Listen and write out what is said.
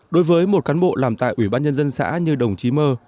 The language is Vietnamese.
đối với một cán bộ làm tại ủy ban nhân dân xã như đồng chí mơ